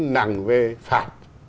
nặng về phạt